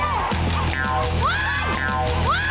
นิดเดียว